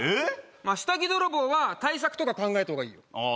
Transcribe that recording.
まあ下着泥棒は対策とか考えたほうがいいよああ